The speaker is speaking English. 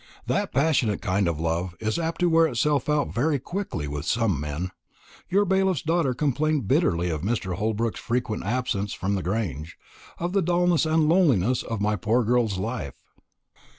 "That passionate kind of love is apt to wear itself out very quickly with some men. Your bailiff's daughter complained bitterly of Mr. Holbrook's frequent absence from the Grange, of the dulness and loneliness of my poor girl's life."